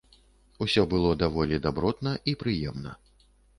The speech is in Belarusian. Усё было даволі дабротна і прыемна.